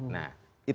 nah itu berarti